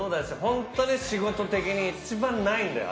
本当に仕事的に一番ないんだよ